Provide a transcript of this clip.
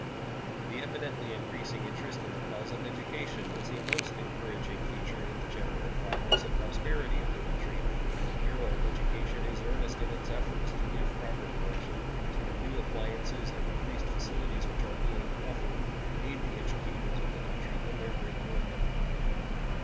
The evidently increasing interest in the cause of education is a most encouraging feature in the general progress and prosperity of the country, and the Bureau of Education is earnest in its efforts to give proper direction to the new appliances and increased facilities which are being offered to aid the educators of the country in their great work.